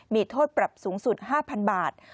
มีโทษปรับสูงสุด๕๐๐๐บาท